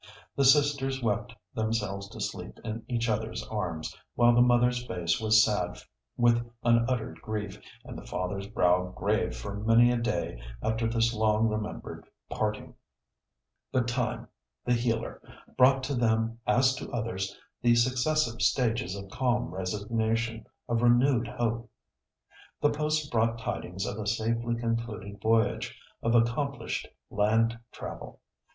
The sisters wept themselves to sleep in each other's arms, while the mother's face was sad with unuttered grief, and the father's brow grave for many a day after this long remembered parting. But Time, the healer, brought to them, as to others, the successive stages of calm resignation, of renewed hope. The post brought tidings of a safely concluded voyage, of accomplished land travel.